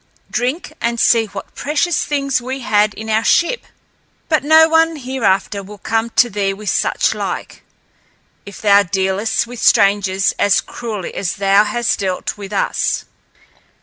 Drink and see what precious things we had in our ship. But no one hereafter will come to thee with such like, if thou dealest with strangers as cruelly as thou hast dealt with us."